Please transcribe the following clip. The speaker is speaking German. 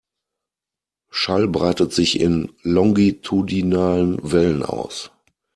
Schall breitet sich in longitudinalen Wellen aus.